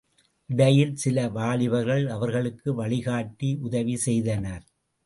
இடையில் சில வாலிபர்கள் அவர்ளுக்கு வழிகாட்டி உதவி செய்தனர்.